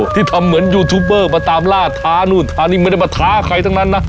ที่ทำเหมือนยูทูบเบอร์มาตามล่าท้านู่นท้านี่ไม่ได้มาท้าใครทั้งนั้นนะ